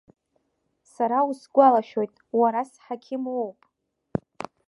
Сара усгәалашәоит, уара сҳақьым уоуп!